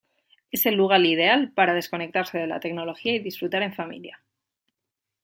Es el lugar ideal para desconectarse de la tecnología y disfrutar en familia.